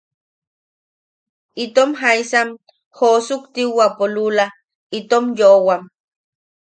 Itom jaisam joosuk tiuwapo lula itom yoʼowam.